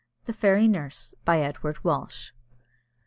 THE FAIRY NURSE. BY EDWARD WALSH.